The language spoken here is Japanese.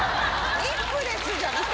ニップレスじゃなくて？